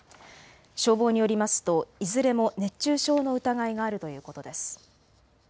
消防によりますといずれも熱中症の疑いがあるということです。